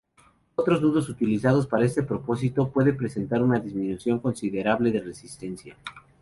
Otros nudos utilizados para este propósito puede presentar una disminución considerable de resistencia.